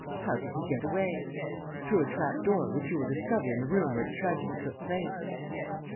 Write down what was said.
"How did he get away?" "Through a trap door, which you will discover in the room where the tragedy took place."